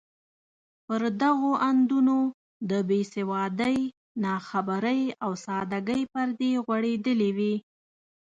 پر دغو اندونو د بې سوادۍ، ناخبرۍ او سادګۍ پردې غوړېدلې وې.